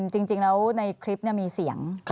จริงแล้วในคลิปมีเสียง